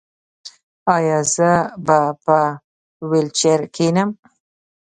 ایا زه به په ویلچیر کینم؟